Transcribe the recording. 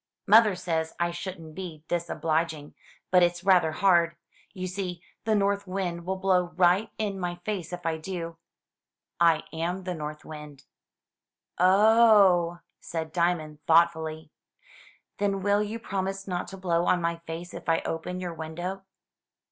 "Mother says I shouldn't be disobliging; but it's rather hard. You see the north wind will blow right in my face if I do." "I am the North Wind." "0 o oh!" said Diamond, thoughtfully. "Then will you promise not to blow on my face if I open your window?"